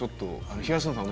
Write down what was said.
東野さん